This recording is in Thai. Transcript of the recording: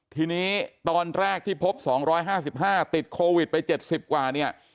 ทีนี้ตอนแรกที่พบ๒๕๕ติดโควิดไป๗๐กว่าเนี่ย